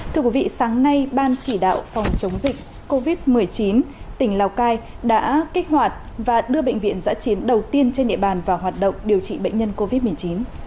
thưa quý vị sáng nay ban chỉ đạo phòng chống dịch covid một mươi chín tỉnh lào cai đã kích hoạt và đưa bệnh viện giã chiến đầu tiên trên địa bàn vào hoạt động điều trị bệnh nhân covid một mươi chín